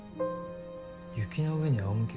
雪の上にあおむけ？